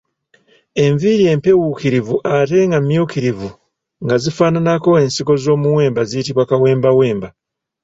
Enviiri empeewuukirivu ate nga mmyukirivu nga zifaananako ensigo z’omuwemba ziyitibwa kawembawemba.